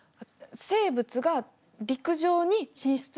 生物が陸上に進出？